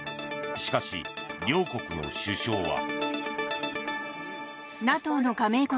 しかし、両国の首相は。